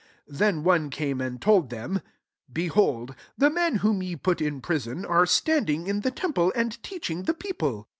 25 Then one came and told them " Behold, the men whom ye put in prison are standing in the temple, and teaching the peo ple."